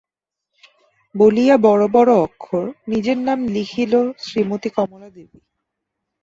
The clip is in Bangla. –বলিয়া বড়ো বড়ো অক্ষরে নিজের নাম লিখিল–শ্রীমতী কমলা দেবী।